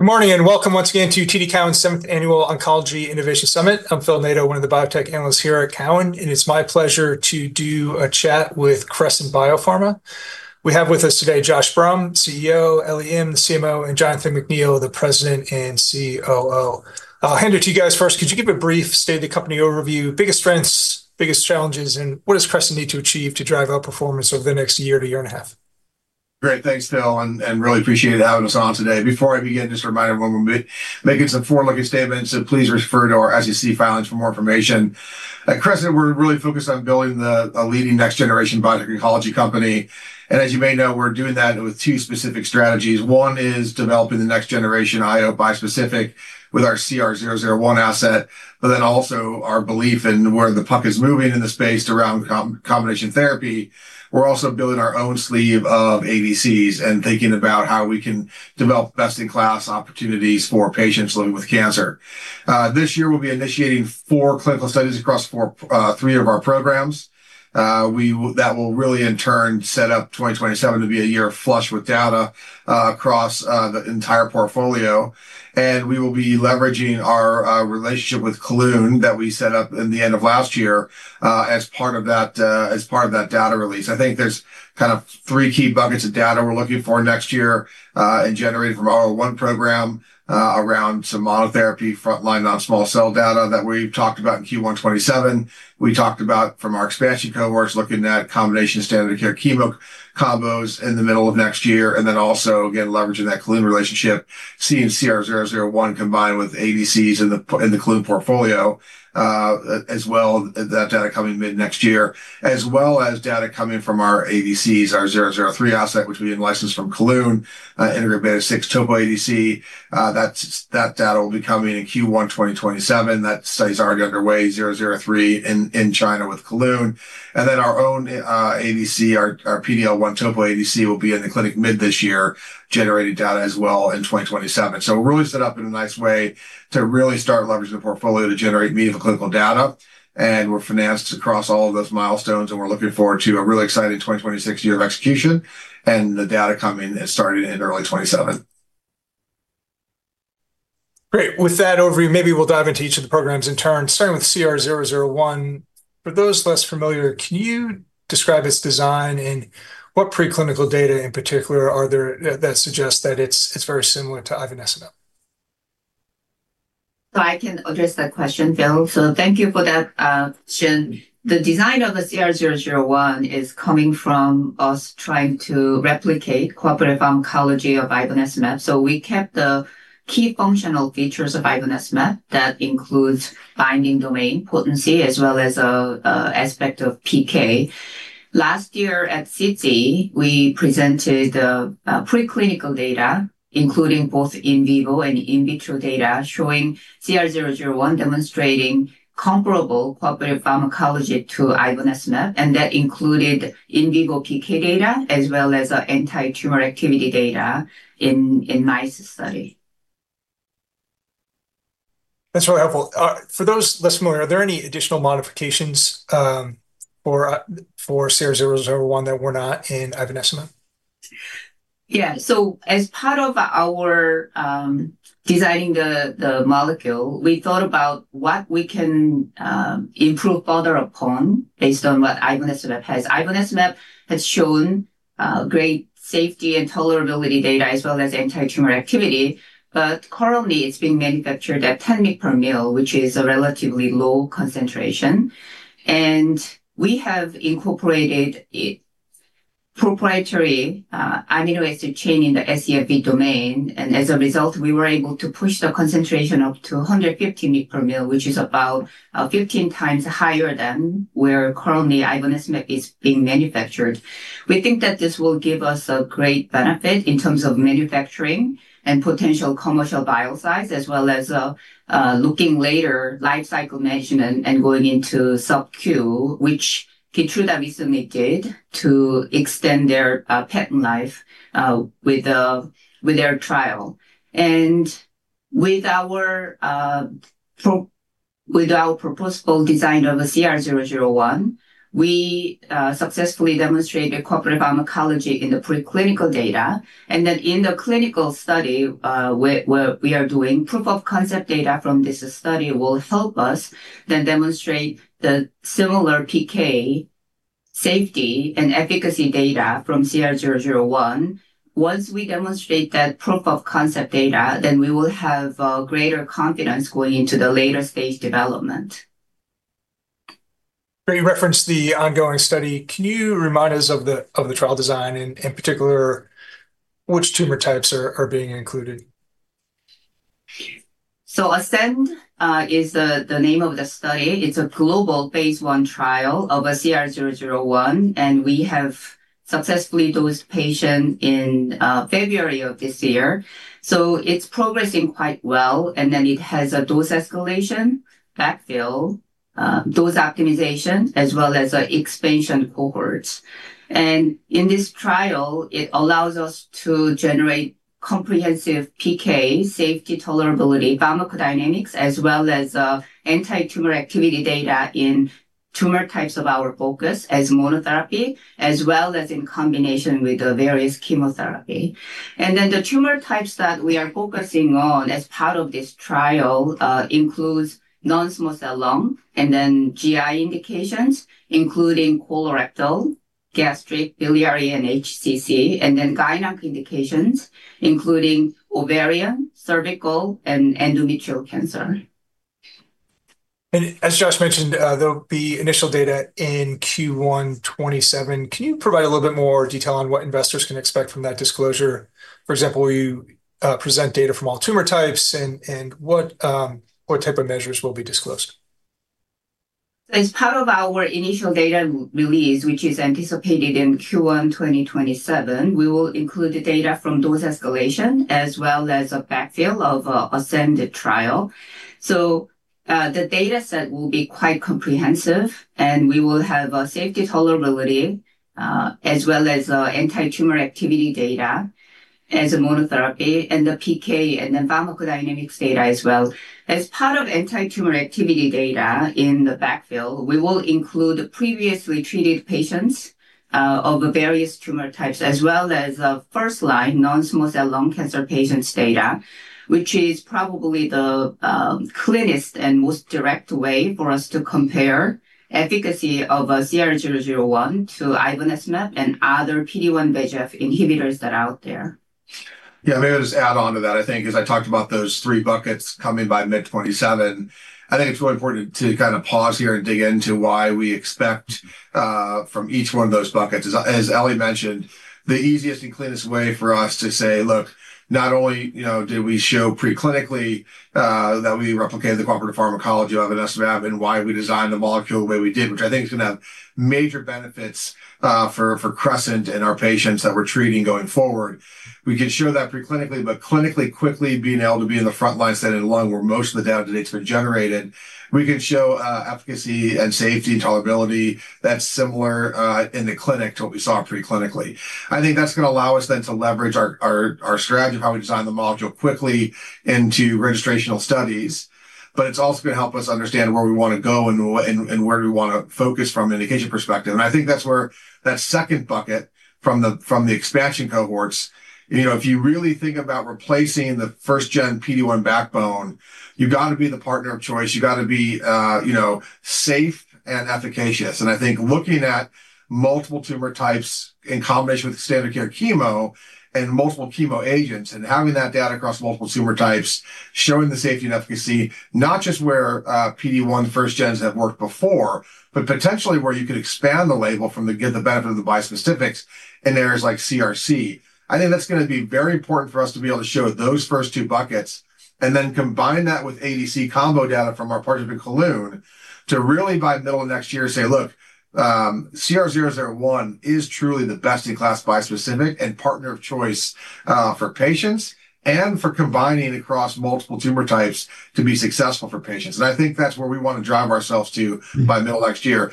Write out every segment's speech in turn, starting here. Good morning, welcome once again to Cowen's seventh Annual Oncology Innovation Summit. I'm Phil Nadeau, one of the biotech analysts here at Cowen, it's my pleasure to do a chat with Crescent Biopharma. We have with us today Josh Brumm, CEO, Ellie Im, CMO, Jonathan McNeill, the President and COO. I'll hand it to you guys first. Can you give a brief state of the company overview, biggest strengths, biggest challenges, what does Crescent need to achieve to drive outperformance over the next year to year and a half? Great. Thanks, Phil, really appreciate having us on today. Before I begin, just a reminder, we're making some forward-looking statements, please refer to our SEC filings for more information. At Crescent, we're really focused on building the leading next-generation biotech oncology company. As you may know, we're doing that with two specific strategies. One is developing the next generation IO bispecific with our CR-001 asset, also our belief in where the puck is moving in the space around combination therapy. We're also building our own sleeve of ADCs and thinking about how we can develop best-in-class opportunities for patients living with cancer. This year we'll be initiating four clinical studies across three of our programs. That will really, in turn, set up 2027 to be a year flush with data across the entire portfolio. We will be leveraging our relationship with Kelun-Biotech that we set up in the end of last year as part of that data release. I think there's kind of three key buckets of data we're looking for next year and generating from our one program around some monotherapy frontline on small cell data that we've talked about in Q1 2027. We talked about from our expansion cohorts looking at combination standard care chemo combos in the middle of next year. Also again, leveraging that Kelun-Biotech relationship, seeing CR-001 combined with ADCs in the Kelun-Biotech portfolio, as well that data coming mid-next year, as well as data coming from our ADCs, our CR-003 asset, which we licensed from Kelun-Biotech, integrin beta-6 topo ADC. That data will be coming in Q1 2027. That study's already underway, CR-003 in China with Kelun-Biotech. Then our own ADC, our PD-L1 topo ADC, will be in the clinic mid this year, generating data as well in 2027. We're really set up in a nice way to really start leveraging the portfolio to generate meaningful clinical data. We're financed across all of those milestones, and we're looking forward to a really exciting 2026 year of execution. The data coming is starting in early 2027. Great. With that overview, maybe we'll dive into each of the programs in turn, starting with CR-001. For those less familiar, can you describe its design and what preclinical data in particular are there that suggest that it's very similar to ivonescimab? I can address that question, Phil. Thank you for that. The design of the CR-001 is coming from us trying to replicate cooperative pharmacology of ivonescimab. We kept the key functional features of ivonescimab. That includes finding domain potency as well as aspect of PK. Last year at SITC, we presented preclinical data, including both in vivo and in vitro data, showing CR-001 demonstrating comparable cooperative pharmacology to ivonescimab, and that included in vivo PK data as well as anti-tumor activity data in mice study. That's very helpful. For those listening, are there any additional modifications for CR-001 that were not in ivonescimab? Yeah. As part of our designing the molecule, we thought about what we can improve further upon based on what ivonescimab has. Ivonescimab has shown great safety and tolerability data as well as anti-tumor activity. Currently, it's being manufactured at 10 mg/mL, which is a relatively low concentration. We have incorporated a proprietary amino acid chain in the scFv domain, and as a result, we were able to push the concentration up to 150 mg/mL, which is about 15 times higher than where currently ivonescimab is being manufactured. We think that this will give us a great benefit in terms of manufacturing and potential commercial Biosize as well as looking later life cycle management and going into sub-Q, which Kisunla submitted to extend their patent life with their trial. With our proposed design of the CR-001, we successfully demonstrated cooperative pharmacology in the preclinical data, and then in the clinical study, what we are doing, proof of concept data from this study will help us then demonstrate the similar PK safety and efficacy data from CR-001. Once we demonstrate that proof of concept data, then we will have greater confidence going into the later-stage development. You referenced the ongoing study. Can you remind us of the trial design, and in particular, which tumor types are being included? ASCEND is the name of the study. It's a global phase I trial of CR-001, and we have successfully dosed patients in February of this year. It's progressing quite well, and then it has a dose escalation, backfill, dose optimization, as well as expansion cohorts. In this trial, it allows us to generate comprehensive PK safety tolerability pharmacodynamics as well as anti-tumor activity data in tumor types of our focus as monotherapy, as well as in combination with the various chemotherapy. The tumor types that we are focusing on as part of this trial includes non-small cell lung, and then GI indications, including colorectal, gastric, biliary, and HCC, and then gynec indications, including ovarian, cervical, and endometrial cancer. As Josh mentioned, there'll be initial data in Q1 2027. Can you provide a little bit more detail on what investors can expect from that disclosure? For example, will you present data from all tumor types, and what type of measures will be disclosed? As part of our initial data release, which is anticipated in Q1 2027, we will include the data from dose escalation as well as a backfill of ASCEND the trial. The data set will be quite comprehensive, and we will have a safety tolerability, as well as anti-tumor activity data as a monotherapy, and the PK and the pharmacodynamics data as well. As part of anti-tumor activity data in the backfill, we will include previously treated patients of the various tumor types, as well as first-line non-small cell lung cancer patients' data, which is probably the clearest and most direct way for us to compare efficacy of CR-001 to ivonescimab and other PD-1/PD-L1 inhibitors that are out there. Yeah, maybe I'll just add onto that, I think, as I talked about those three buckets coming by mid 2027. I think it's really important to kind of pause here and dig into why we expect from each one of those buckets. As Ellie mentioned, the easiest and cleanest way for us to say, look, not only did we show pre-clinically that we replicated the proper pharmacology of ivonescimab and why we designed the molecule the way we did, which I think is going to have major benefits for Crescent and our patients that we're treating going forward. We could show that pre-clinically, but clinically quickly being able to be in the front line setting lung where most of the data are generated, we could show efficacy and safety tolerability that's similar in the clinic to what we saw pre-clinically. I think that's going to allow us then to leverage our strategy of how we design the molecule quickly into registrational studies, but it's also going to help us understand where we want to go and where we want to focus from an indication perspective. I think that's where that second bucket from the expansion cohorts, if you really think about replacing the first gen PD-1 backbone, you've got to be the partner of choice. You've got to be safe and efficacious. I think looking at multiple tumor types in combination with standard care chemo and multiple chemo agents, and having that data across multiple tumor types, showing the safety and efficacy, not just where PD-1 first gens have worked before, but potentially where you could expand the label from the good, the bad, or the bispecifics in areas like CRC. I think that's going to be very important for us to be able to show those first two buckets and then combine that with ADC combo data from our partner Kelun-Biotech to really by middle of next year say, look, CR-001 is truly the best-in-class bispecific and partner of choice for patients and for combining across multiple tumor types to be successful for patients. I think that's where we want to drive ourselves to by middle of next year.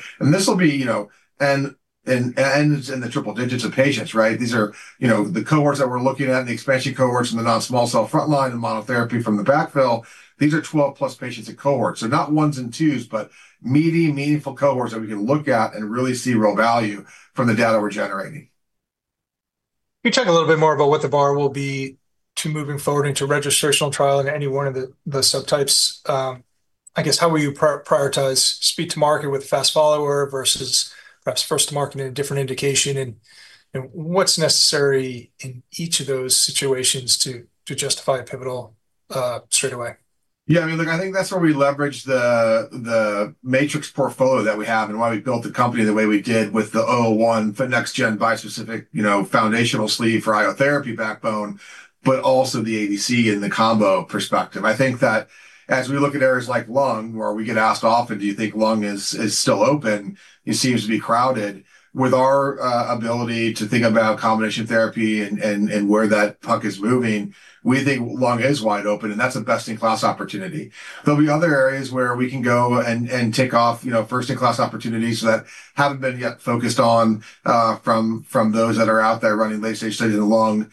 It's in the triple digits of patients, right? These are the cohorts that we're looking at, the expansion cohorts from the non-small cell front line, the monotherapy from the backfill. These are 12 plus patients a cohort. Not ones and twos, but meaty, meaningful cohorts that we can look at and really see real value from the data we're generating. Can you talk a little bit more about what the bar will be to moving forward into registrational trial in any one of the subtypes? How will you prioritize speed to market with fast follower versus first to market in a different indication? What's necessary in each of those situations to justify pivotal straight away? Yeah, I think that's where we leverage the matrix portfolio that we have and why we built the company the way we did with the 001 for next-gen bispecific foundational sleeve for IO therapy backbone, but also the ADC and the combo perspective. I think that as we look at areas like lung, where we get asked often, "Do you think lung is still open? It seems to be crowded." With our ability to think about combination therapy and where that puck is moving, we think lung is wide open, and that's a best-in-class opportunity. There'll be other areas where we can go and tick off first-in-class opportunities that haven't been yet focused on from those that are out there running late-stage studies in lung,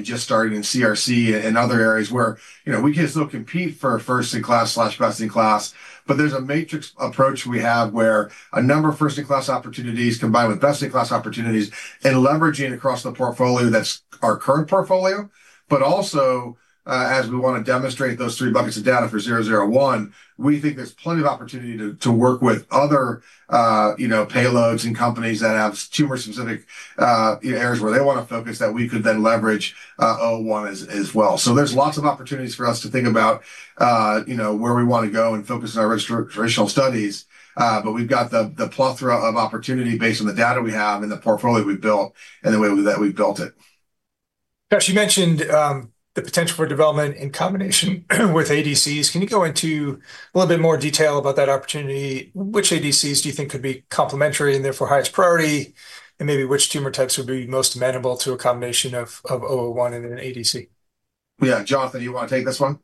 just starting in CRC and other areas where we can still compete for a first-in-class/best-in-class. There's a matrix approach we have where a number of first-in-class opportunities combine with best-in-class opportunities and leveraging across the portfolio, that's our current portfolio. Also, as we want to demonstrate those three buckets of data for CR-001, we think there's plenty of opportunity to work with other payloads and companies that have tumor-specific areas where they want to focus that we could then leverage CR-001 as well. There's lots of opportunities for us to think about where we want to go and focus our registrational studies. We've got the plethora of opportunity based on the data we have and the portfolio we built and the way that we built it. Josh, you mentioned the potential for development in combination with ADCs. Can you go into a little bit more detail about that opportunity? Which ADCs do you think could be complementary and therefore highest priority? Maybe which tumor types would be most amenable to a combination of 001 and an ADC? Yeah, Jonathan, you want to take this one?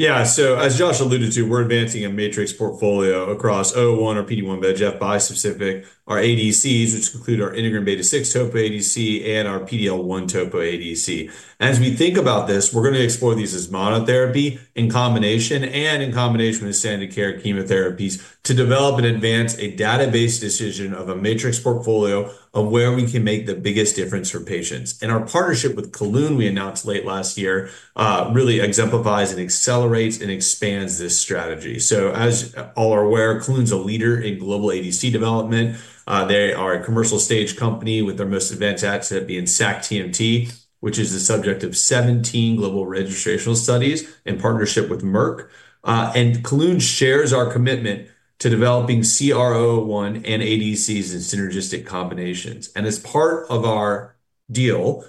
As Josh alluded to, we're advancing a matrix portfolio across CR-001, our PD-1/VEGF bispecific, our ADCs, which include our integrin beta-6 topo ADC and our PD-L1 topo ADC. As we think about this, we're going to explore these as monotherapy, in combination, and in combination with standard care chemotherapies to develop and advance a database decision of a matrix portfolio of where we can make the biggest difference for patients. Our partnership with Kelun we announced late last year really exemplifies and accelerates, and expands this strategy. As all are aware, Kelun's a leader in global ADC development. They are a commercial stage company with their most advanced asset being sac-TMT, which is the subject of 17 global registrational studies in partnership with Merck. Kelun shares our commitment to developing CR-001 and ADCs in synergistic combinations. As part of our deal,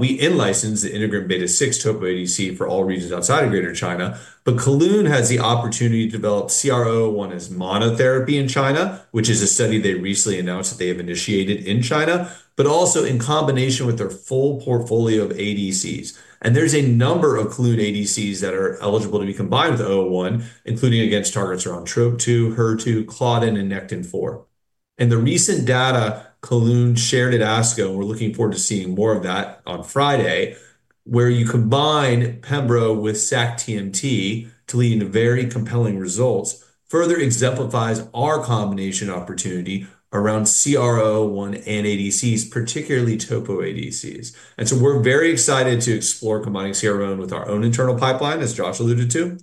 we in-license the integrin beta-6 topo ADC for all regions outside of Greater China. Kelun-Biotech has the opportunity to develop CR-001 as monotherapy in China, which is a study they recently announced that they have initiated in China, but also in combination with their full portfolio of ADCs. There's a number of Kelun-Biotech ADCs that are eligible to be combined with 001, including against targets around Trop-2, HER2, claudin, and Nectin-4. In the recent data Kelun-Biotech shared at ASCO, we're looking forward to seeing more of that on Friday, where you combine pembrolizumab with sac-TMT to lead into very compelling results, further exemplifies our combination opportunity around CR-001 and ADCs, particularly topo ADCs. We're very excited to explore combining CR-001 with our own internal pipeline, as Josh alluded to.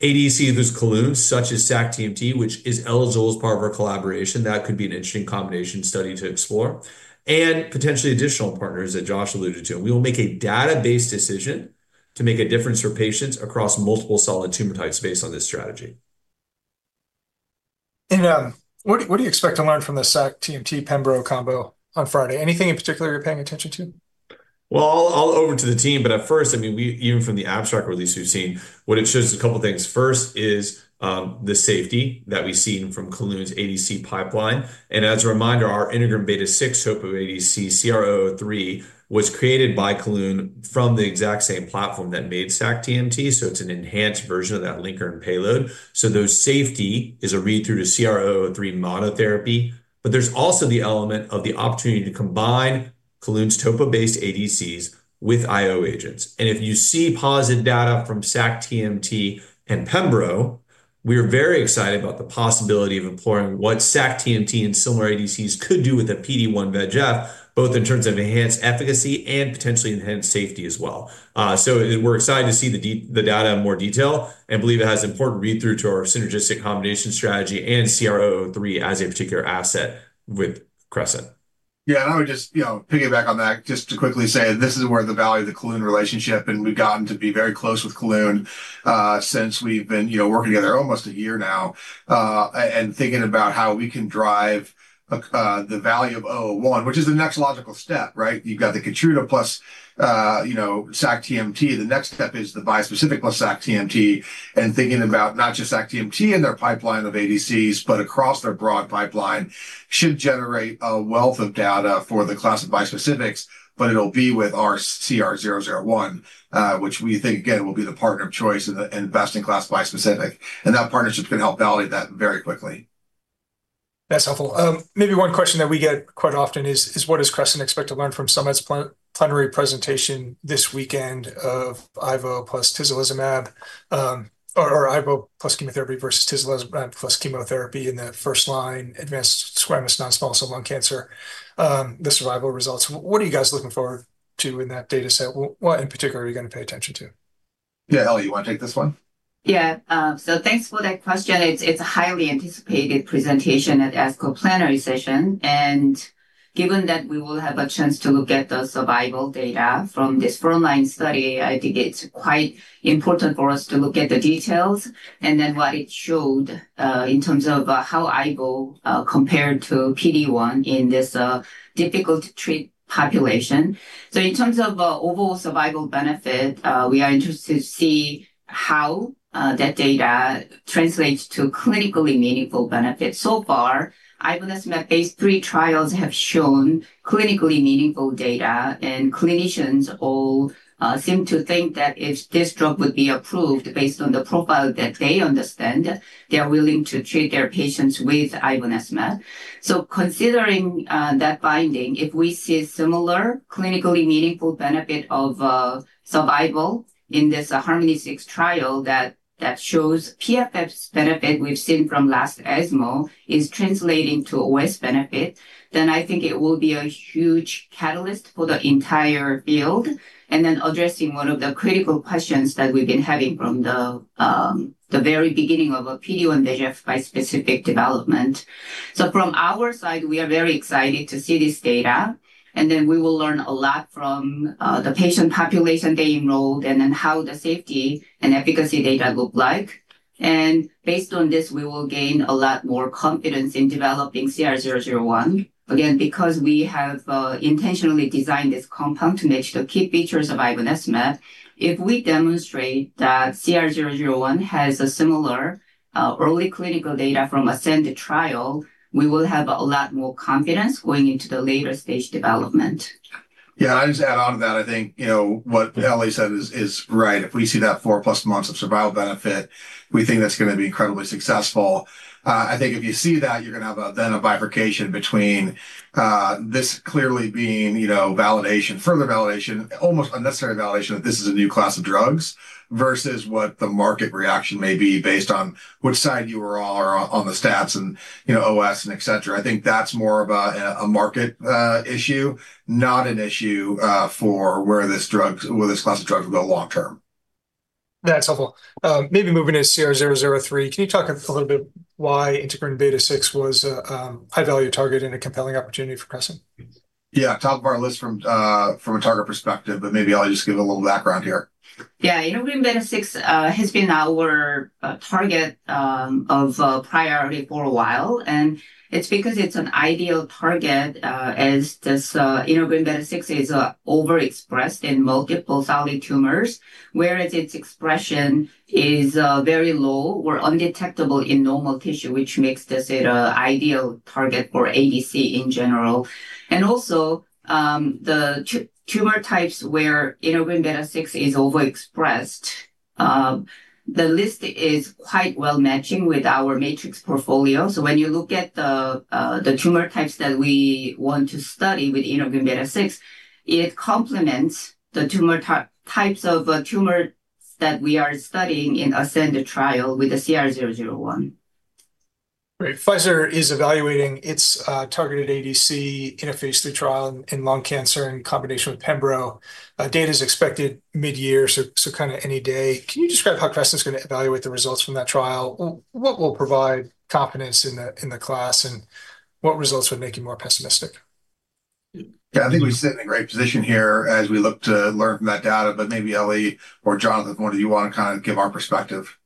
ADCs with Kelun-Biotech, such as sac-TMT, which is eligible as part of our collaboration. That could be an interesting combination study to explore, and potentially additional partners that Josh alluded to. We will make a database decision to make a difference for patients across multiple solid tumor types based on this strategy. What do you expect to learn from the sac-TMT/pembrolizumab combo on Friday? Anything in particular you're paying attention to? Well, I'll hand over to the team, but at first, even from the abstract release we've seen, what it shows is a couple of things. First is the safety that we've seen from Kelun's ADC pipeline. As a reminder, our integrin beta-6 topo ADC, CR-003, was created by Kelun from the exact same platform that made sac-TMT, so it's an enhanced version of that linker and payload. Though safety is a read-through to CR-003 monotherapy, but there's also the element of the opportunity to combine Kelun's topo-based ADCs with IO agents. If you see positive data from sac-TMT and pembrolizumab, we are very excited about the possibility of employing what sac-TMT and similar ADCs could do with a PD-1/PD-L1, both in terms of enhanced efficacy and potentially enhanced safety as well. We're excited to see the data in more detail and believe it has important read-through to our synergistic combination strategy and CR-003 as a particular asset with Crescent. Yeah, and I would just piggyback on that just to quickly say this is where the value of the Kelun relationship, and we've gotten to be very close with Kelun since we've been working together almost one year now and thinking about how we can drive the value of CR-001, which is the next logical step, right? You've got the Keytruda plus sac-TMT. The next step is the bispecific plus sac-TMT, and thinking about not just sac-TMT and their pipeline of ADCs, but across their broad pipeline should generate a wealth of data for the class of bispecifics, but it'll be with our CR-001, which we think again, will be the partner of choice in best-in-class bispecific, and that partnership can help validate that very quickly. That's helpful. Maybe one question that we get quite often is what does Crescent expect to learn from Summit's plenary presentation this weekend of Ivo plus tislelizumab, or Ivo plus chemotherapy versus tislelizumab plus chemotherapy in the first line advanced squamous cell lung cancer, the survival results? What are you guys looking forward to in that data set? What in particular are you going to pay attention to? Yeah. Ellie, you want to take this one? Yeah. Thanks for that question. It's a highly anticipated presentation at ASCO plenary session, and given that we will have a chance to look at the survival data from this frontline study, I think it's quite important for us to look at the details and then what it showed, in terms of how ivonescimab compared to PD-1 in this difficult to treat population. In terms of overall survival benefit, we are interested to see how that data translates to clinically meaningful benefits. Far, ivonescimab, these three trials have shown clinically meaningful data, and clinicians all seem to think that if this drug would be approved based on the profile that they understand, they're willing to treat their patients with ivonescimab. Considering that finding, if we see similar clinically meaningful benefit of survival in this HARMONi-A trial that shows PFS benefit we've seen from last ESMO is translating to OS benefit, I think it will be a huge catalyst for the entire field, addressing one of the critical questions that we've been having from the very beginning of a PD-1/VEGF bispecific development. From our side, we are very excited to see this data, we will learn a lot from the patient population they enrolled and how the safety and efficacy data look like. Based on this, we will gain a lot more confidence in developing CR-001. Because we have intentionally designed this compound to match the key features of ivonescimab, if we demonstrate that CR-001 has similar early clinical data from ASCEND trial, we will have a lot more confidence going into the later stage development. I'll just add on to that. I think what Ellie said is right. If we see that four-plus months of survival benefit, we think that's going to be incredibly successful. I think if you see that, you're going to have then a bifurcation between this clearly being further validation, almost unnecessary validation, that this is a new class of drugs, versus what the market reaction may be based on which side you are on the stats and OS and et cetera. I think that's more of a market issue, not an issue for where this class of drugs will go long term. That's helpful. Maybe moving to CR-003, can you talk a little bit why integrin beta-6 was a high-value target and a compelling opportunity for Crescent? Top of our list from a target perspective, but maybe I'll just give a little background here. Yeah, integrin beta-6 has been our target of priority for a while. It's because it's an ideal target as this integrin beta-6 is overexpressed in multiple solid tumors, whereas its expression is very low or undetectable in normal tissue, which makes this an ideal target for ADC in general. Also, the tumor types where integrin beta-6 is overexpressed, the list is quite well matching with our matrix portfolio. When you look at the tumor types that we want to study with integrin beta-6, it complements the types of tumors that we are studying in ASCEND the trial with the CR-001. Right. Pfizer is evaluating its targeted ADC in a phase III trial in lung cancer in combination with pembrolizumab. Data is expected mid-year, so any day. Can you describe how Crescent is going to evaluate the results from that trial? What will provide confidence in the class, and what results would make you more pessimistic? I think we sit in a great position here as we look to learn from that data, but maybe Ellie or Jonathan, one of you want to give our perspective?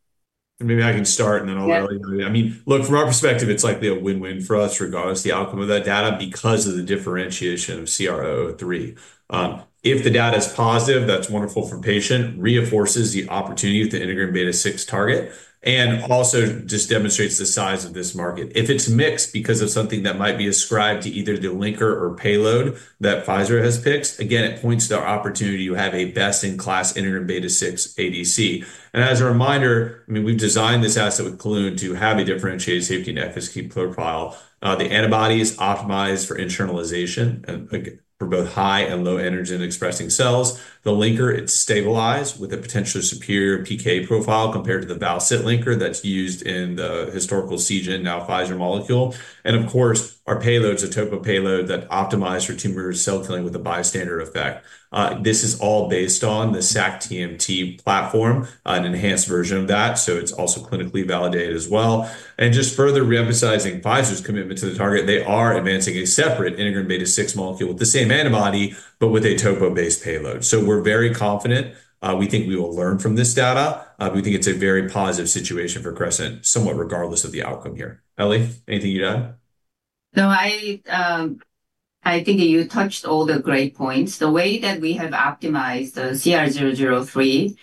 Maybe I can start, and then I'll let. Yeah I mean, look, from our perspective, it's like a win-win for us regardless of the outcome of that data because of the differentiation of CR-003. If the data is positive, that's wonderful for patients, reinforces the opportunity with the integrin beta-6 target, and also just demonstrates the size of this market. If it's mixed because of something that might be ascribed to either the linker or payload that Pfizer has picked, again, it points to the opportunity you have a best-in-class integrin beta-6 ADC. As a reminder, we designed this asset with Kelun to have a differentiated safety and efficacy profile. The antibody is optimized for internalization and for both high and low antigen-expressing cells. The linker, it's stabilized with a potentially superior PK profile compared to the vc linker that's used in the historical Seagen, now Pfizer molecule. Of course, our payload is a topoisomerase payload that optimized for tumor cell killing with a bystander effect. This is all based on the sac-TMT platform, an enhanced version of that, so it's also clinically validated as well. Just further reemphasizing Pfizer's commitment to the target, they are advancing a separate integrin beta-6 molecule with the same antibody, but with a topoisomerase-based payload. We're very confident. We think we will learn from this data. We think it's a very positive situation for Crescent, somewhat regardless of the outcome here. Ellie, anything to add? No, I think you touched all the great points. The way that we have optimized the CR-003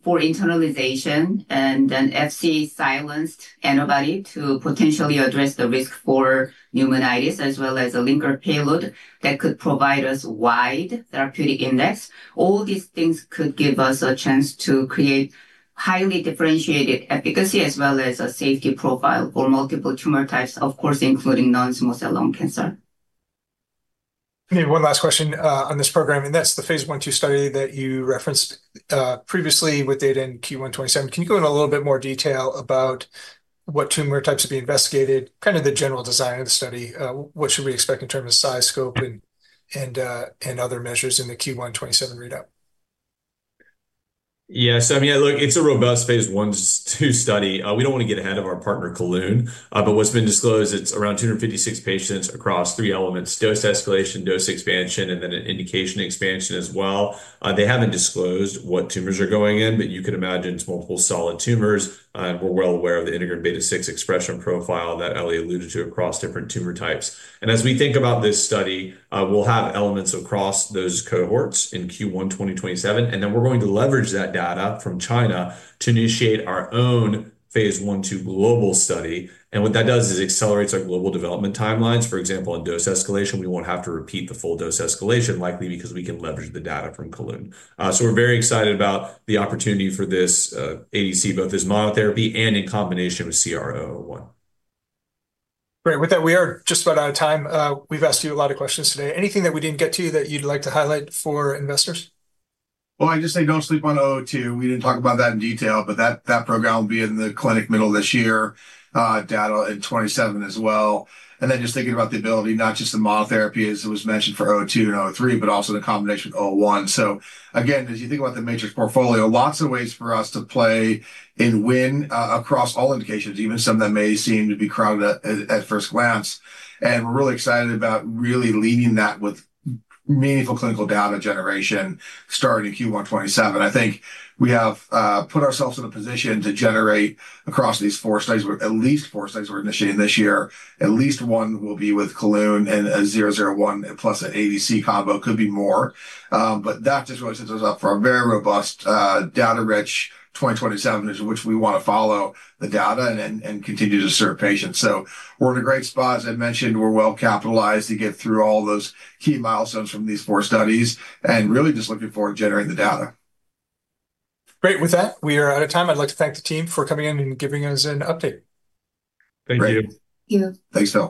for internalization and an Fc-silenced antibody to potentially address the risk for pneumonitis as well as a linker payload that could provide us wide therapeutic index. All these things could give us a chance to create highly differentiated efficacy as well as a safety profile for multiple tumor types, of course, including non-small-cell lung cancer. Maybe one last question on this program, and that's the phase I/II study that you referenced previously with data in Q1 2027. Can you go in a little bit more detail about what tumor types will be investigated, kind of the general design of the study? What should we expect in terms of size, scope, and other measures in the Q1 2027 readout? Yeah. I mean, look, it's a robust phase I/II study. We don't want to get ahead of our partner, Kelun-Biotech. What's been disclosed, it's around 256 patients across three elements, dose escalation, dose expansion, and then an indication expansion as well. They haven't disclosed what tumors are going in, but you can imagine it's multiple solid tumors. We're well aware of the integrin beta-6 expression profile that Ellie alluded to across different tumor types. As we think about this study, we'll have elements across those cohorts in Q1 2027, then we're going to leverage that data from China to initiate our own phase I/II global study. What that does is accelerates our global development timelines. For example, on dose escalation, we won't have to repeat the full dose escalation, likely because we can leverage the data from Kelun-Biotech. We're very excited about the opportunity for this ADC, both as monotherapy and in combination with CR-001. Great. With that, we are just about out of time. We've asked you a lot of questions today. Anything that we didn't get to that you'd like to highlight for investors? Well, I just say don't sleep on CR-002. We didn't talk about that in detail, but that program will be in the clinic middle of this year, data in 2027 as well. Just thinking about the ability, not just the monotherapy, as it was mentioned for CR-002 and 003, but also the combination of 001. Again, as you think about the matrix portfolio, lots of ways for us to play and win across all indications, even some that may seem to be crowded at first glance. We're really excited about really leading that with meaningful clinical data generation starting Q1 2027. I think we have put ourselves in a position to generate across these at least four studies we're initiating this year. At least one will be with Kelun, and a 001 plus an ADC combo, could be more. That just really sets us up for a very robust, data-rich 2027 in which we want to follow the data and continue to serve patients. We're in a great spot. As I mentioned, we're well-capitalized to get through all those key milestones from these four studies and really just looking forward to generating the data. Great. With that, we are out of time. I'd like to thank the team for coming in and giving us an update. Thank you. Yeah. Thanks, Ellie.